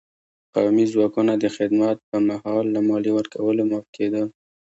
قومي ځواکونه د خدمت په مهال له مالیې ورکولو معاف کېدل.